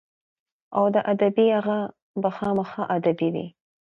او د ادبي هغه به خامخا ادبي وي.